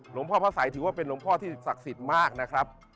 หลวงพ่อพระสัยถือว่าเป็นหลวงพ่อที่ศักดิ์สิทธิ์มากนะครับ